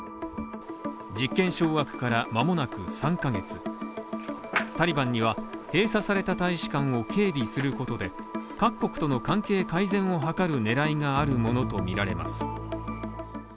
実権掌握からまもなく３ヶ月タリバンには閉鎖された大使館を警備することで、各国との関係改善を図る狙いがあるものとみられます。